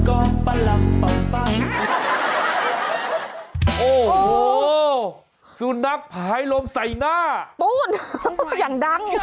โอ้โหสุนัขภายลมใส่หน้าอย่างดัง